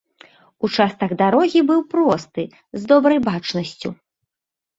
Участак дарогі быў просты, з добрай бачнасцю.